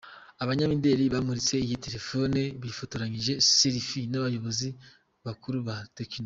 Abanyamideli bamuritse iyi telefone bifotoranyije 'selfies' n'abayobozi bakuru ba Tecno.